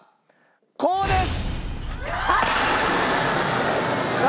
こうです！